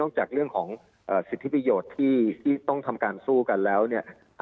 จากเรื่องของสิทธิประโยชน์ที่ต้องทำการสู้กันแล้วเนี่ย